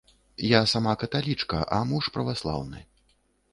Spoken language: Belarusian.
Я сама каталічка, а муж праваслаўны.